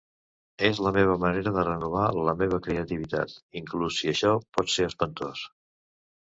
És la meva manera de renovar la meva creativitat, inclús si això pot ser espantós.